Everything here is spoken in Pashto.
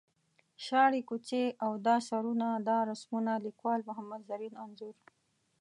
شاړې کوڅې او دا سرونه دا رسمونه ـ لیکوال محمد زرین انځور.